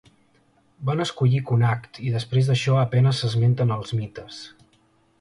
Van escollir Connacht i després d'això a penes s'esmenten als mites.